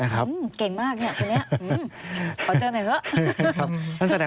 เก่งมากขอเจอกันใหม่ก่อน